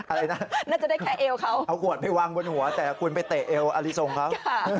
อะไรนะเอาขวดไปวางบนหัวแต่คุณไปเตะเอวอาริทรองเขา